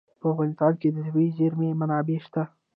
په افغانستان کې د طبیعي زیرمې منابع شته.